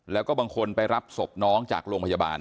แล้วก็บางคนไปรับศพน้องจากโรงพยาบาล